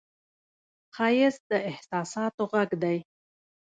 ښایست د احساساتو غږ دی